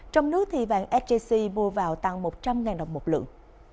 trong nước vàng sjc mua vào tăng một trăm linh đồng một lượng